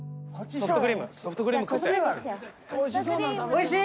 おいしい？